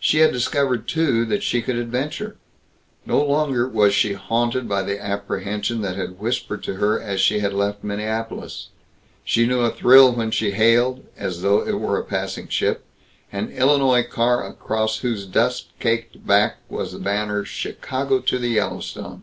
She had discovered, too, that she could adventure. No longer was she haunted by the apprehension that had whispered to her as she had left Minneapolis. She knew a thrill when she hailed as though it were a passing ship an Illinois car across whose dust caked back was a banner "Chicago to the Yellowstone."